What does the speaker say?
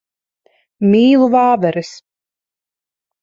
Mīlu vāveres.